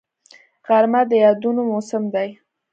غرمه د یادونو موسم دی